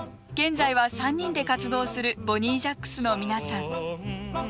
現在は３人で活動するボニージャックスの皆さん。